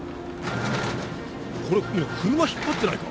これ車引っ張ってないか？